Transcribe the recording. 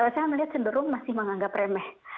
saya melihat cenderung masih menganggap remeh